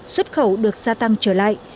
xuất khẩu được gia tăng trở lại